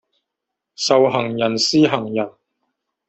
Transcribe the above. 授行人司行人。